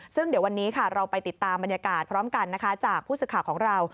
ซึ่งเดี๋ยววันนี้ค่ะเราไปติดตามบรรยากาศพร้อมกันนะคะจากผู้สื่อข่าวของเรา